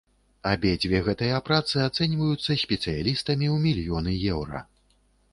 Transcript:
Абедзве гэтыя працы ацэньваюцца спецыялістамі ў мільёны еўра.